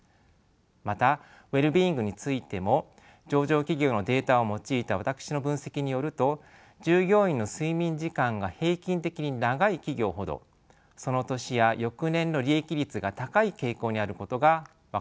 またウェルビーイングについても上場企業のデータを用いた私の分析によると従業員の睡眠時間が平均的に長い企業ほどその年や翌年の利益率が高い傾向にあることが分かりました。